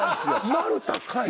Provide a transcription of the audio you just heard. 丸田かい！